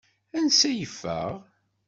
Ansa i yeffeɣ?